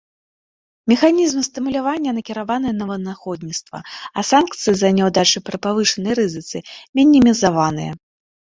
Механізм стымулявання накіраваны на вынаходніцтва, а санкцыі за няўдачы пры павышанай рызыцы мінімізаваныя.